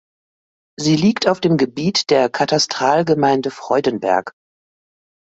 Sie liegt auf dem Gebiet der Katastralgemeinde Freudenberg.